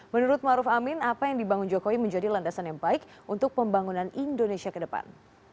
menurut maruf amin apa yang dibangun jokowi menjadi landasan yang baik untuk pembangunan indonesia ke depan